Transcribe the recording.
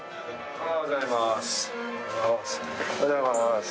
おはようございます。